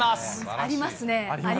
ありますね。